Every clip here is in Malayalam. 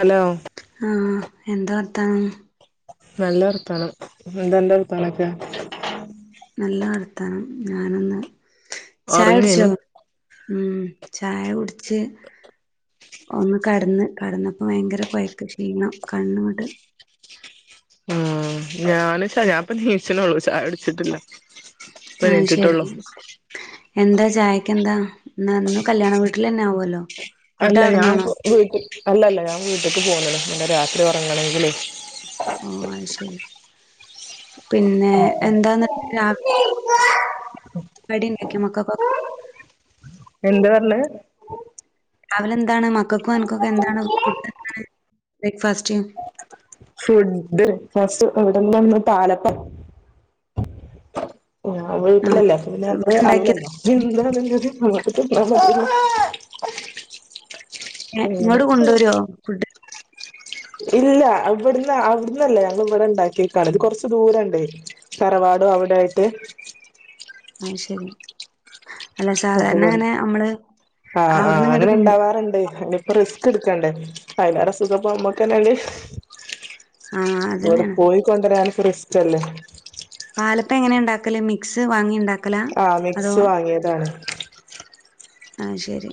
ഹലോ ആഹ് എന്താ വർത്താനം നല്ല വർത്താനം എന്താ അന്റെ വർത്താനൊക്കെ നല്ല വർത്താനം ഞാനൊന്ന് ചായ ഉടിച്ചോ ഒറങ്ങേനി ഉം ചായ ഉടിച്ച് ഒന്ന് കടന്ന് കടന്നപ്പോ വയങ്കര കൊയ്ക്ക് ക്ഷീണം കണ്ണ്ങ്ങട്ട് ആഹ് ഞാന്ച്ച ഞാപ്പ നീച്ച്ണൊള്ളൂ ചായ ഉട്ച്ച്ട്ടില്ല ആത് ശരി എന്താ ചായക്കെന്താ ഇന്ന് ഇന്ന് കല്യാണ വീട്ട്ൽ ലന്നെ ആവൊല്ലോ അല്ല ഞാപ്പോ വീട്ട് അല്ലല്ല ഞാൻ വീട്ട്ക്ക് പോന്ന്ണ് പിന്നെ രാത്രി ഒറങ്ങണങ്കിലെ ഓഹ് അത് ശരി പിന്നെ എന്താന്ന്ട്ട് രാവി [unintelligible] കടിണ്ടാക്യേ മക്കക്കൊ എന്താ പർണ് രാവിലെ എന്താണ് മക്കക്കും അ നക്കൊക്കെ എന്താണ് ഫുഡ് എന്താണ് ബ്രേക്ക്ഫാസ്റ്റ് ഫുഡ് ഫാസ്റ്റ് ഇവിടെന്താന്ന് പാലപ്പം ആഹ് വീട്ട്ലല്ലേ അപ്പപിന്നെ [unintelligible] ഇവിടെ എന്താണ്ള്ളത് ഇണ്ടാക്കിയത് അതണ് തിന്നാ മതില്ലേ ഏ ഇങ്ങോട് കൊണ്ടൊരാ ഫുഡ് ഇല്ല ഇവ്ടന്ന അവ്ട്ന്നല്ല ഞങ്ങള് ഇവടെ ഇണ്ടാക്കീക്കാണ് ഇത് കൊറച്ച് ദൂരണ്ടേ തറവാടും അവിടേ ആയിറ്റ് അത് ശരി അല്ല അപ്പ സാധാരണ അങ്ങനെ നമ്മള് ആഹ് ആഹ് അവിടുന്ന് ഇങ്ങട്ട് അങ്ങന കൊണ്ട് ഇണ്ടാവാർണ്ട് റിസ്ക് ഇട്ക്കണ്ടേ അയ്ലേറെസുഖപ്പൊ മ്മക്കന്നെല്ലേ ആഹ് അവടെ അതന്നെയാണ് പോയിക്കൊണ്ടരാനിപ്പോ റിസ്‌കല്ലേ പാലപ്പം എങ്ങനെ ഇണ്ടാക്കല് മിക്സ് വാങ്ങി ഇണ്ടാ ആഹ് മിക്സ് വാങ്ങിയതാണ് ആത് ശരി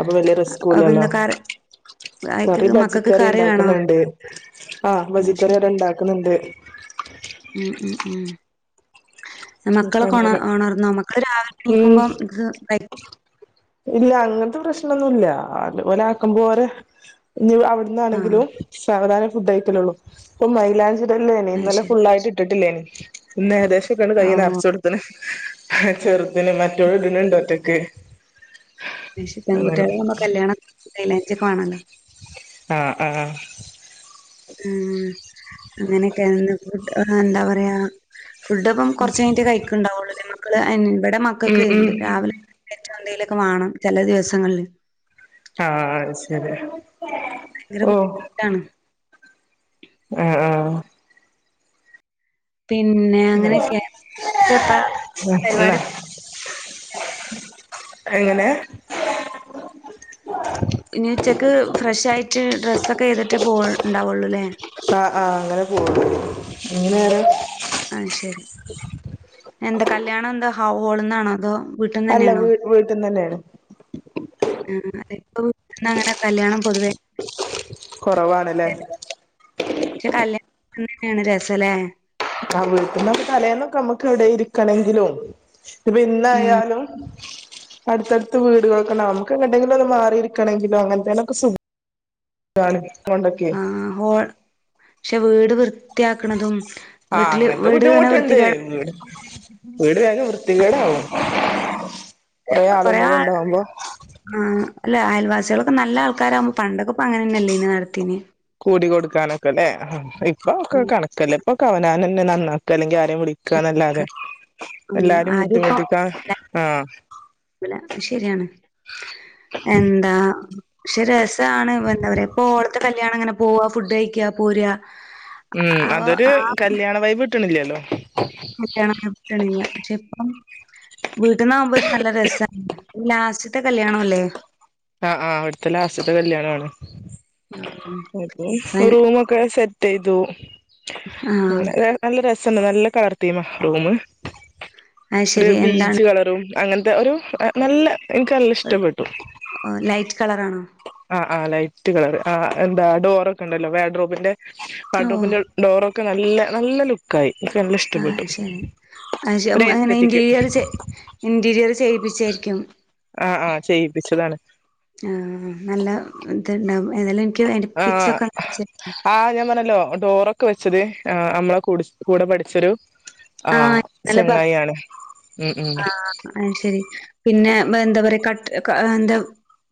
അപ്പൊ വല്ലേ അപ്പൊ റിസ്കൂല്ലല്ലോ എന്താ കറി അയ്ക്ക് കറി മക്കൾക്ക് ബജിക്കറി കറി വേണോ ഇണ്ടാക്ക്ന്ന്ണ്ട് ആഹ് ബജിക്കറി ഇവിടെ ഇണ്ടാക്ക്ന്ന്ണ്ട് ഉം ഉം ഉം അപ്പ അങ്ങനെ മക്കളൊക്കൊണർന്നോ മക്കള് രാവിലെ ഉം എണീക്കുമ്പോ ഇല്ല അങ്ങനത്തെ പ്രശ്നൊന്നുല്ല അത് ഓല് ആക്കമ്പോലെ ഇനി ആഹ് അവിടന്നാണെങ്കിലും സാവധാനം ഫുഡ് കൈകലള്ളു ഇപ്പൊ മൈലാഞ്ചി ഇടൽ ലേനി ഇന്നലെ അയ്ശരി ഫുൾ ആയിട്ട് ഇട്ടിട്ടില്ലേനി ഇന്നേകദേശം ഒക്കെയാണ്ട് കയ്യ് ഓഹ് നെറച്ച് കൊടുത്തിന് ചെറുതിന് മറ്റോൾ ഇടണ്ട് ഒറ്റക്ക് ശെരിയാ അങ്ങനെ പെൺകുട്ടികളാവുമ്പോ കല്യാണം മൈലാഞ്ചി ഒക്കെ വേണല്ലോ ആഹ് ആഹ് ഉം അങ്ങനെയൊക്കെ എന്താ പറയാ ഫുഡ് അപ്പം കൊറച്ച് കഴിഞ്ഞട്ട് കഴിക്കുണ്ടാവുള്ളൂ ലേ മക്കള് ഇവിടെ ഉം മക്കൾക്ക് ഉം രാവിലെ എണീറ്റ എന്തേലൊക്കെ വേണം ചില ദിവസങ്ങളില് ആഹ് ശരി ഭയങ്കര ഓ ബുദ്ധിമുട്ടാണ് ആഹ് ആഹ് പിന്നെ അങ്ങനെയൊക്കെ ഇപ്പൊ എപ്പഴാ മക്കള് പരിപാടി എങ്ങനെ ഇനി ഉച്ചക്ക് ഫ്രഷ് ആയിട്ട് ഡ്രസ്സൊക്കെ ചെയ്തിട്ടേ പോവ്ണ്ടാവുകയുള്ളൂ അല്ലേ ആഹ് ആഹ് അങ്ങനെ പോവൊള്ളൂ ഇനി വേറെ ആഹ് ശരി എന്താ കല്യാണം എന്താ ഹാൾന്നാണോ അതോ വീട്ടന്ന് അല്ല തന്നെയാണോ വീ വീട്ടിന്നന്നേണ് ആഹ് ഇപ്പോ വിട്ടിന്ന് അങ്ങനെ കല്യാണം പൊതുവേ കുറവാണല്ലേ പക്ഷെ കല്യാണം തന്നെയാണ് രസല്ലേ. [unintelligible] തലേന്നൊക്കെ നമുക്ക് എവിടെ ഇരിക്കണെങ്കിലും. ഇതിപ്പെ ഉം ഇന്നായാലും അടുത്തടുത്ത് വീടുകളൊക്കെണ്ടാവും. നമുക്ക് എങ്ങോട്ടെങ്കിലും മാറിയിരിക്കണെങ്കിലോ അങ്ങനത്തേനൊക്കെ സുഖ ഖാണ് അതുകൊണ്ടൊക്കെ. ഹോൾ പക്ഷെ വീട് വൃത്തിയാക്കണതും ആഹ് വീട്ടില് അങ്ങനത്തെ വീട് ഇങ്ങനെ ബുദ്ധിമുട്ടുണ്ട് വൃത്തികേടാ വീട് വീട് വേഗം വൃത്തികേടാവും. കൊറേ ആളും കൂടെ കൊറേയാൾ ഉണ്ടാവുമ്പോ ആഹ് അല്ല അയൽവാസികളൊക്കെ നല്ല ആൾക്കാരാകുമ്പോ പണ്ടൊക്കപ്പൊ അങ്ങനെ തന്നെയല്ലെനു നടത്തീന്. കൂടി കൊടുക്കാനൊക്കെ അല്ലേ. ഇപ്പൊ ഒക്കെ കണക്കല്ലെ. ഇപ്പൊ അവനവനന്നെ നന്നാക്കാ അല്ലെങ്കി ആരെയും വിളി ക്കേണല്ലാതെ ആഹ് ആരും ഇപ്പോ [unintelligible] ആഹ് അതു ശരിയാണ്. എന്താ? പക്ഷെ രസാണ് ഇപ്പൊ ഓടത്തെ കല്യാണം അങ്ങനെ പോവാ ഫുഡ് കഴിക്കാ. പോരാ ഉം ആ അതൊരു ആ കല്യാണ വൈബ് കിട്ടണില്ലല്ലോ. കല്യാണ വൈബ് കിട്ടണില്ല. പക്ഷെ ഇപ്പം വീട്ടിന്നാകുമ്പോ നല്ല രസാ. ലാസ്റ്റത്തെ കല്യാണം അല്ലേ? ആഹ് ആഹ് അവിടുത്തെ ലാസ്റ്റത്തെ കല്യാണമാണ് ഉം അപ്പൊ റൂമൊ ഒക്കെ സെറ്റ് ചെയ്തു ആ അങ്ങനെ നല്ല രസണ്ട് നല്ല കളർ തീമാ റൂമ് അത് ഒരു ശരി എന്താണ് പീച്ച് കളറും അങ്ങനത്തെ ഒരു നല്ല എനിക്ക് നല്ല ഇഷ്ടപ്പെട്ടു. ഓഹ് ലൈറ്റ് കളറാണോ? ആഹ് ആഹ് ലൈറ്റ് കളറ്. ആഹ് എന്താ ഡോറൊക്കെ ഉണ്ടല്ലോ വാഡ്രോബിന്റെ ഓ വാഡ്രോബിന്റെ ഉൾ ഡോറ് ഒക്കെ നല്ല നല്ല ലു ക്കായി എനിക്ക് നല്ല ആ ഇഷ്ടപ്പെട്ടു. ശരി ഒരു ഏസ്തെറ്റിക്ക്. ഇന്റീരിയറ് ചെയ്യിപ്പിച്ചേയിരിക്കും. ആഹ് ആഹ് ചെയ്യിപ്പിച്ചതാണ്. ആഹ് നല്ല ഇത്ണ്ടാവും. ഏതായാലും എനിക്ക് അതിന്റെ പിക്സ് ഒക്കെ അയച്ചു തന്നേ. ആഹ് ഞാൻ പറഞ്ഞല്ലോ ഡോറൊക്കെ വെച്ചത് നമ്മളെ കുടി കൂടെ പഠിച്ചൊരു ആ ആഹ്, ഇന്നലെ പറ ചെങ്ങായി ആണ്. ഉം, ഉം ആ അത് ശരി. പിന്നെ എന്താ പറയാ കട്ട് എന്താ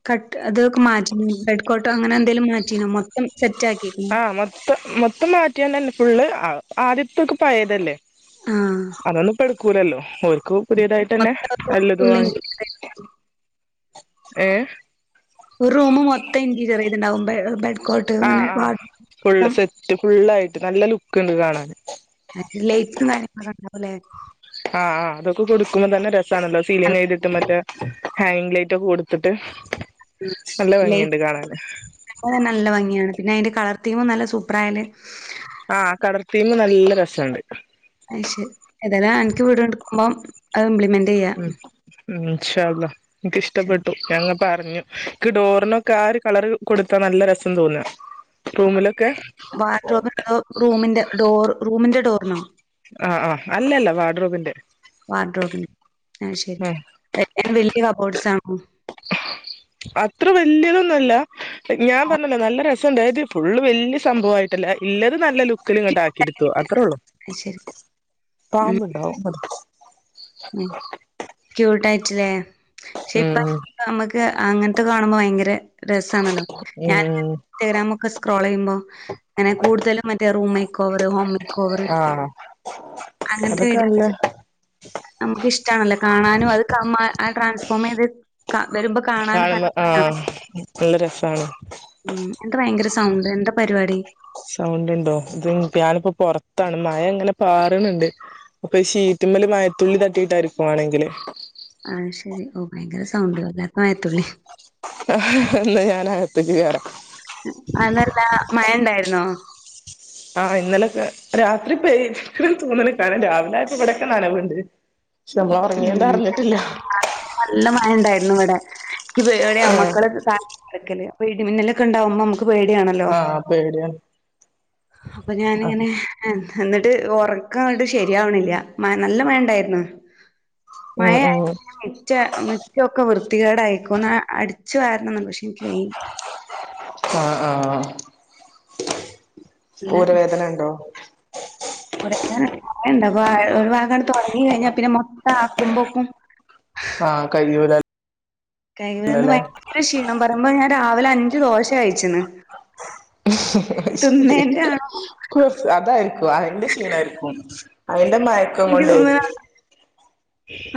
കട്ട് അതൊക്കെ മാറ്റിനോ, ബെഡ് കോട്ടോ അങ്ങനെ എന്തേലും മാറ്റിനോ? മൊത്തം സെറ്റ് ആക്കിക്കണോ? ഇപ്പം മൊത്തം മാറ്റിയണ്ടെ ന്നെ ഫുള്ള്. ആദ്യത്തൊക്ക പയേതല്ലേ? ആ അതൊന്നും ഇപ്പ എടുക്കൂലല്ലോ? ഓർക്ക് പുതിയതായിട്ട് തന്നെ മൊത്തം നല്ലതു ഫുൾ വാങ്ങി. ഇന്റീരിയർ ഏഹ്. ഒരു റൂമ് മൊത്തം ഇൻ്റീരിയർ ചെയ്തണ്ടാകും. ബെ ബെഡ് കോട്ട് ആഹ്, അങ്ങനെ ആഹ്, വാർഡ്രോബ് ഫുള്ള് മൊത്തം സെറ്റ്. ഫുള്ളായിട്ട് നല്ല ലുക്ക്ണ്ട് കാണാന്. മറ്റേ ലൈറ്റും കാര്യങ്ങളൊക്കെ ണ്ടാവൂ ല്ലേ? ആഹ്, ആഹ് അതൊക്കെ കൊടുക്കുമ്പോ തന്നെ രസാണല്ലോ? അല്ല. സീലിങ്ങ് ചെയ്തിട്ടും മറ്റേ... ഹാങ്ങ്ലൈറ്റ് ഒക്കെ കൊടുത്തിട്ട്, നല്ല ഭംഗിയുണ്ട് കാണാന്. അതന്നെ നല്ല ഭംഗിയാണ്. പിന്നെ അതിന്റെ കളർ തീമും നല്ല സൂപ്പറായാല് ആഹ്, കളർ തീമും നല്ല രസോണ്ട്. അത് ശരി. ഏതനാ എനിക്ക് വീട് എടുക്കുമ്പം അത് ഇപ്ലിമെ ഉം, ഉം, ഇൻഷാ അള്ളാ. ഇൻഷാ അള്ളാ. ഇൻക്കിഷ്ടപ്പെട്ടു. ഞാൻ ഇങ്ങ പറഞ്ഞു. ൻക്ക് ഡോർനൊക്ക, ആഹ്, ഒരു കളർ കൊടുത്താ നല്ല രസം തോന്നാ. റൂമിലൊക്കെ വാഡ്രോബിനോ? അതോ? റൂമിന്റെ ഡോർ റൂമിന്റെ ഡോറിനോ? ആഹ്, ആഹ്, അല്ല, ല്ല വാഡ്രോബിന്റെ. വാർഡ്രോബിൻ അതു ശരി. ഉം [unintelligible] വല്യ കബോർഡ്സ് ആണോ? അത്ര വല്യതൊന്നു അല്ല. ഞാൻ പറഞ്ഞില്ലേ? നല്ല ര സണ്ടായത്. ഫുള്ള് വല്യ സംഭവായിട്ടല്ല. ല്ലത് നല്ല ലു ലുക്ക്ല്ങ്ങട്ട് ക്യൂട്ടായിട്ട് ആക്കിട്ത്തു. അത്ര ഒള്ളു? അത് ശരി. പാമ്പ് ണ്ടാവും. ഉം, ചൂട് ആയിട് ല്ലേ? ഷെ പ്പ. ഉം നമക്ക് അങ്ങൻത് കാണുമ്പോ, ഭയങ്കര രസാണല്ലോ? ഉം ഇൻസ്റ്റഗ്രാമക്കെ സ്ക്രോൾ ചെയ്യുമ്പോ? ങ്ങനെ കൂടുതലും മറ്റേ room make over. Home make over, ആഹ് അങ്ങൻത്തെ അതൊക്കെ നല്ല വീഡിയോസ്. നമക്ക് ഇഷ്ടണല്ലോ? കാണാനും അത് ക, മ, ആഹ്, ട്രാൻസ്ഫോം ചെയ്ത്. ക വരുമ്പോ? കാണാനും നല്ല കാണുമ്പോ രസാണ്. ആഹ, നല്ല രസാണ്. ഉം, എന്താ ഭയങ്കര സൗണ്ട്. എന്ത പരിവാടി? സൗണ്ട് ണ്ടോ? ഇത് ഞാനിപ്പോ പൊറത്താണ്. മഴ ങ്ങനെ പാറ്ണണ്ട്. അപ്പൊ, ഈ, ഷീറ്റിമ്മല് മയത്തുള്ളി തട്ടിട്ടായിരിക്കു വാണെങ്കില്? ആഹ്, ശരി, ഓ, ഭയങ്കര സൗണ്ട്. വല്ലാത്ത മയത്തുളി. ആഹ്, ന്നാ ഞാനകതേക്ക് കയറ. അതല്ല, മഴ ണ്ടായിരുന്നോ? ആഹ്, ഇന്നലെക്കെ രാത്രി പെയ്ത് ക്ക്ണ്ണ് തോന്ന്ണ്. കാരണം രാവിലെ ആയപ്പോ ഇവിടൊക്കെ നനവുണ്ട്. ക്ഷെ, നമ്മൾ ഒറങ്ങിയോണ്ട് അറിഞ്ഞിട്ടില്ല. രാത്രി നല്ല മഴ ഉണ്ടായിരുന്നു ഇവിടെ. ഇക്ക് പേടി ആവ, ആഹ് മക്കളെ. തായെ കേട്ക്കല്. ഇടി മിന്നലൊക്കെണ്ടാവുമ്പൊ നമക്. പേടിയാണല്ലോ? ആഹ് പേടിയാണ് അപ്പൊ അതെ ഞാനിങ്ങനെ. ഏ, എന്നിട്ട് ഉറക്കങ്ങട്ട് ശരിയാവണില്ല. മ നല്ല മഴ ഉണ്ടായിരുന്നോ? ഉം മായേ ഉം [unintelligible] മ, മുറ്റൊക്കെ വൃത്തികേടായിക്കോന്ന്. ഒന്ന് അടിച്ചു വാരണം ന്ന്ണ്ട്. പക്ഷെ ഇ ൻക്ക് വയ. ആഹ്, ആഹ്, പിന്നെ ഊരവേദന ണ്ടോ? ഊരവേദന [unintelligible] പ്പോ ഒരു ഭാഗങ്ങട് തൊടങ്ങികഴിഞ്ഞാ പിന്നെ മൊത്തം ആക്കുമ്പോക്കും. ആഹ്, കയ്യൂല. കൈയുല ഇന്ന് ഭയങ്കര ക്ഷീണം, പറയുമ്പോ, ഞാൻ, രാവിലെ അഞ്ജ് ദോശ കയിച്ചിണ്. അത്, ശരി. ആണോ ഹോ, അതായിരിക്കും. അയിന്റെ ക്ഷീണായിരിക്കും. അയിന്റെ മയക്കം എനിക്ക് കൊണ്ടേ....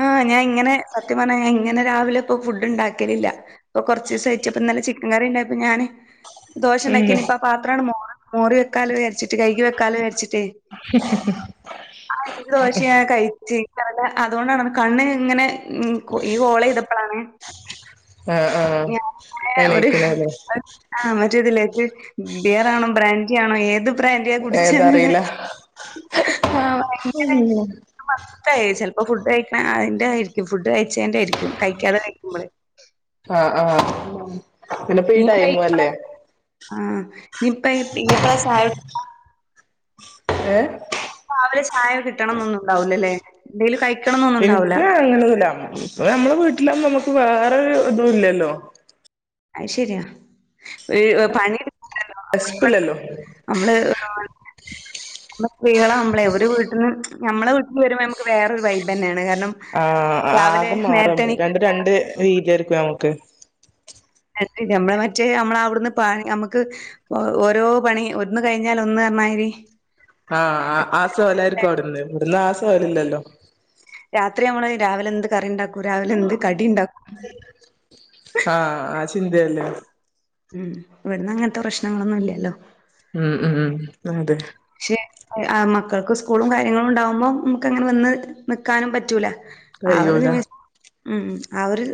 ആഹ ഞാൻ ഇങ്ങനെ സത്യം പറഞ്ഞ ഇങ്ങനെ രാവിലെ ഇപ്പൊ ഫുഡ് ഉണ്ടാക്കലില്ല. ഇപ്പ കുറച്ച് ദിവസായിട്ട് ഇന്നലെ ചിക്കൻ കറി ഉണ്ടായപ്പോ ഞാന്. ദോശം ഉണ്ടാക്കി ഉം ഇനി ഇപ്പ ആ പാത്രാണ് മോ മോറി വെക്കാലോന്ന് വിചാരിച്ചിട്ട്. കൈയ്കി വെക്കാലോ വിചാരിച്ചിട്ട് ആ അഞ്ച് ദോശയും ഞാൻ കഴിച്ച്. അല്ല അതുകൊണ്ടാണ് കണ്ണ് ഇങ്ങനെ ഈ കോള് ചെയ്തപ്പഴാണ്. ആഹ ആഹ എണീക്ക്ണെല്ലേ? ആഹ് മറ്റേതില്ലേ ബിയറാണോ ബ്രാൻഡി ആണോ ഏത്. ഏത് ബ്രാണ്ടിയാ ഏതാ കുടിചെന്നിലേ അറിയില്ല ആഹ ഭയങ്കര. മത്തായി ചിലപ്പോ ഫുഡ് കഴിക്ണ അതിന്റെ ആയിരിക്കും ഫുഡ് കഴിച്ചതിന്റെ ആയിരിക്കും കഴിക്കാതെ കഴിക്കുമ്പോൾ. ആഹ ആഹ ഇനി എപ്പോഴാ ചായ കുടിക്കണേ ഏ രാവിലെ ചായ കിട്ടണംന്നൊന്നും ഉണ്ടാവൂല്ലല്ലേ എന്തെങ്കിലും കൈ എനിക്ക് അങ്ങനൊന്നുല്ല ഇപ്പ നമ്മെളെ വീട്ടിലാവുമ്പോ നമുക്ക് വേറെൊരു ഇതും ഇല്ലല്ലോ. അയ് ശരിയാ പണി. വെശ് പിലല്ലോ? നമ്മള്. നമ്മള് സ്ത്രീകളാവുമ്പെ ഒരു വീട്ടിന്ന് നമ്മളെ വീട്ടിൽവരുമ്പോ നമുക്ക് വേറൊരു വൈബ തന്നെയാണ് കാരണം. ആഹ രാവിലെ ആകെ നേരത്തെ മാറും എണീക്കാൻ രണ്ട് രണ്ട് രീതി ആയിരിക്കും നമുക്ക്. അ നമ്മളെ മറ്റേ നമ്മള അവിടുന്ന് പ ഞമ്മക്ക്. ഓ ഓരോ പണി ഒന്ന് കഴിഞ്ഞാൽ ഒന്ന് എന്നായിരി. ആഹ ആ സവലായിരിക്കും അവിടുന്ന് ഇവിടുന്ന് ആ സവലല്ലല്ലോ [unintelligible] രാത്രി നമ്മള് രാവിലെ എന്ത് കറി ഉണ്ടാക്കൂ രാവിലെ എന്ത് കടി ഉണ്ടാക്കും ആഹാ ആ ചിന്തയല്ലേ ഉം ഇവിടുന്ന് അങ്ങനത്തെ പ്രശ്നങ്ങളൊന്നും ഇല്ലല്ലോ ഉം ഉം ഉ അതെ പക്ഷെ മക്കൾക്ക് സ്കൂളും കാര്യങ്ങളും ഉണ്ടാവുമ്പോം നമുക്ക് അങ്ങനെ വന്ന് നിക്കാനും പറ്റൂല ആ ഒരു കയ്യൂല നിമിസം ഉ ആ ഒരു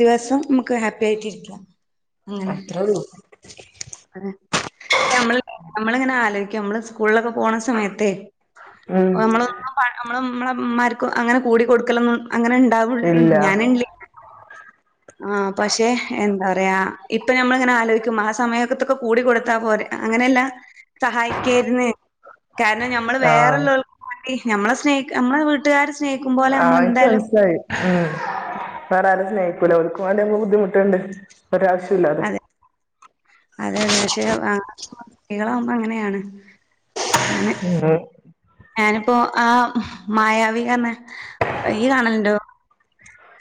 ദിവസം നമുക്ക് ഹാപ്പി ആയിട്ടിരിക്കാം അത്രേയുള്ളൂ അതെ നമ്മള് നമ്മളിങ്ങനെ ആലോചിക്കും നമ്മള് സ്കൂളിലൊക്കെ പോണ സമയത്തേ ഉം നമ്മള് നമ്മ നമ്മളമാർക്കും അങ്ങനെ കൂടി കൊടുക്കല അങ്ങനെ ഇണ്ടാവും ഇല്ല ഞാനല്ലേ ആ പക്ഷെ എന്താ പറയാ ഇപ്പൊ നമ്മള് ഇങ്ങനെ ആലോചിക്കും ആ സമയം ത്തൊക്കെ കൂടിക്കൊടുത്താ പോ അങ്ങനെയ എല്ലാം സഹായിക്കായിരുന്നു കാരണം നമ്മള് ആഹ് വേറെല്ലൾക്കവേണ്ടി ഞമ്മ്ളെ സ്നേഹിക്ക നമ്മളെ വീട്ടുകാരാര് സ്നേഹിക്കുമ്പോപോലെ നമ്മൾെന്തായാലും ഉ വേറെ ആരും സ്നേഹിക്കൂലോ ഓക്കുംവേണ്ടി ബുദ്ധിമുട്ടണ്ട, ഒരു ആവശ്യവുമില്ലാതെ. അതെ അതെ അതെ പക്ഷെ സ്ത്രീകളാകുമ്പോ അങ്ങനെയാണ് അങ്ങനെ [inaudible] ഞാനിപ്പോ ആ മായാവി തന്നാ ഈ കാണലുണ്ടോ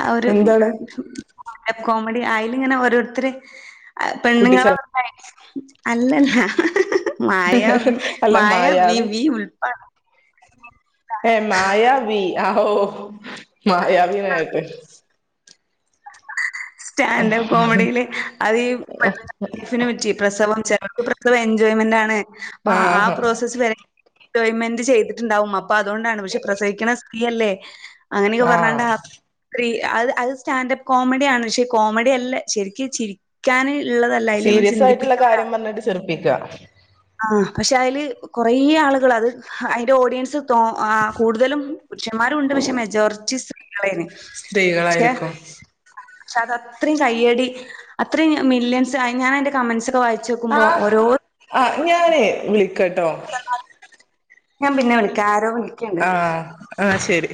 ആ ഒരു് എന്താണ് കോമഡി ആയല് ഇങ്ങനെ ഓരോരുത്തർ കുട്ടിച്ച പെണ്ണുങ്ങളെ അല്ലല്ല മായവി അല്ല മായവി മായാവി വി ഉൽപ്പാടെ ഏ മായവി ഓ മായവി എന്നാ കേട്ടേ സ്റ്റാൻഡപ്പ് കോമഡിയില് അത് ലൈഫിനന് പറ്റി പ്രസവം എൻജോയ്മെന്റ് ആണ് അ ആ ആഹ് പ്രോസസ് വരെ എൻജോയ്മെന്റ് ചെയ്തിട്ടുണ്ടാവും അപ്പൊ അതുകൊണ്ടാണ് പക്ഷെ പ്രസവിക്കണ സ്ത്രീയല്ലേ അങ്ങനെയൊക്കെ ആഹ് പറഞ്ഞാണ്ട് സ്ത്രീ അത് അത് സ്റ്റാൻഡ്പ്പ് കോമഡിയാണ് പക്ഷെ കോമഡി അല്ല ശരിക്കും ചിരി ചിരിക്കാൻ ഉള്ളതല്ലായാലും അവ ചിന്തിപ്പിക്കുന്ന ചർപ്പിക്കുക ആഹ് പക്ഷെ അയില് കൊറേ ആള്കളത് അയ്ന്റെ ഓഡിയൻസ്. തോ ആഹ് കൂടുതലും പുരുഷന്മാരുണ്ട് പക്ഷെ മെജോറിറ്റി സ്ത്രീകളേനി. സ്ത്രീകളായിരിക്കും. ക്ഷ തത്രിം കയ്യടി അത്രെ മില്ല്യൻസായി ഞാനയ്ന്റെ കമൻ്റ്സ്. ആഹ് ആ ഞാനേ വിളിക്കട്ടോ. ലെന്നാൽ ഞ്ഞാം പിന്നെ വിളിക്ക ആരോ വിൾക്ക്ണ്ട്. ആഹ് ആഹ് ശരി.